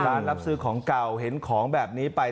รับซื้อของเก่าเห็นของแบบนี้ไป